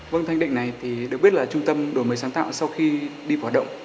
vâng thanh định này thì được biết là trung tâm đổi mới sáng tạo sau khi đi vào hoạt động